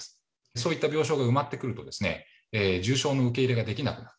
そういった病床が埋まってくると、重症の受け入れができなくなる。